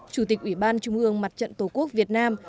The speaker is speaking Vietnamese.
chủ tịch ủy ban trung ương mặt trận tổ quốc việt nam